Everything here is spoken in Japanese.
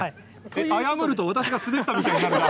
謝ると、私が滑ったみたいになるから。